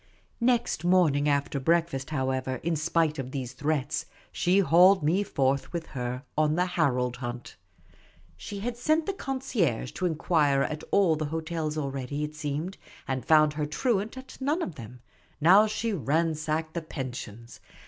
Next morning after breakfast, however, in spi' .e of these threats, she hauled me forth with her on the Harold hunt. She had sent the concierge to inquire at all the hotels already, it seemed, and found her truant at none of them ; now she ransacked the pensions.